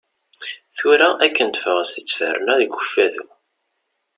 Tura akken d-fɣaɣ seg ttberna deg Ukfadu.